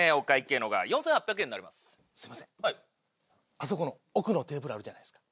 あそこの奥のテーブルあるじゃないですか。